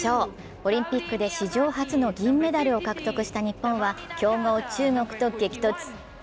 オリンピックで史上初の銀メダルを獲得した日本は強豪・中国と激突。